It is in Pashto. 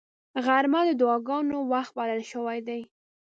غرمه د دعاګانو وخت بلل شوی دی